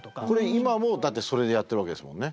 今もだってそれでやってるわけですもんね。